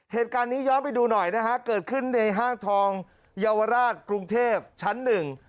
เหตุการณ์นี้ย้อนไปดูหน่อยนะฮะเกิดขึ้นในห้างทองเยาวราชกรุงเทพชั้นหนึ่ง